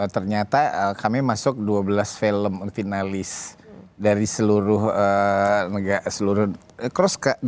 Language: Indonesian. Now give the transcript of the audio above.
ternyata kami masuk dua belas film finalis dari seluruh crossca